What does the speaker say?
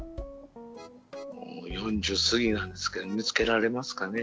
もう４０過ぎなんですけど見つけられますかね。